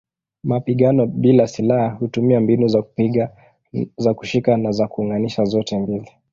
Mapigano bila silaha hutumia mbinu za kupiga, za kushika na za kuunganisha zote mbili.